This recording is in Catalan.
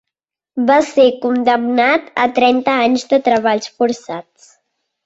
Va ser condemnat a trenta anys de treballs forçats.